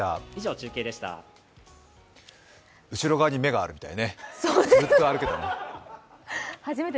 後ろ側に目があるみたいね、ずっと歩けて。